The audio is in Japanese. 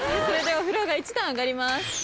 それではフロアが１段上がります。